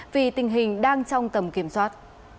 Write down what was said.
vì tình hình đang trong tầm kiểm soát